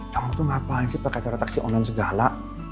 namanya tuh ngapain sih pakai cara taksi online segala